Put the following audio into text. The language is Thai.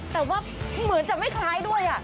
แต่ว่าเหมือนจะไม่คล้ายด้วย